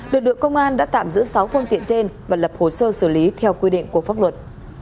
lực lượng công an đã tạm giữ sáu phương tiện trên và lập hồ sơ xử lý theo quy định của pháp luật